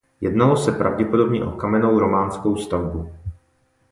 Jednalo se pravděpodobně o kamennou románskou stavbu.